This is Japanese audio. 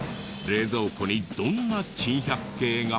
冷蔵庫にどんな珍百景が？